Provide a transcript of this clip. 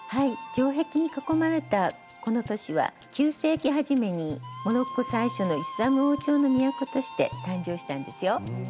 城壁に囲まれたこの都市は９世紀初めにモロッコ最初のイスラム王朝の都として誕生したんですよ。